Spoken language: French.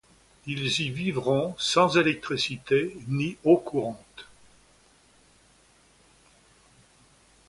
Ils y vivront sans électricité ni eau courante.